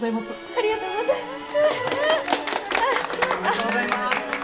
ありがとうございます。